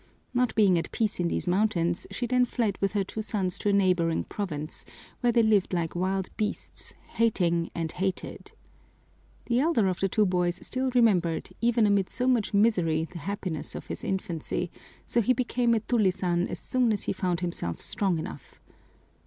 Not being at peace in these mountains, she then fled with her two sons to a neighboring province, where they lived like wild beasts, hating and hated. The elder of the two boys still remembered, even amid so much misery, the happiness of his infancy, so he became a tulisan as soon as he found himself strong enough.